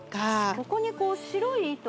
ここにこう白い糸